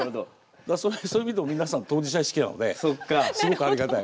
そういう意味でも皆さん当事者意識なのですごくありがたい。